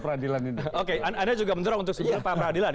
oke anda juga mendorong untuk sebuah peradilan